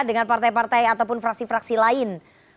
dengan partai partai ataupun fraksi fraksi lain